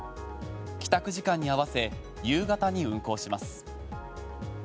帰宅時間に合わせ夕方に運航します。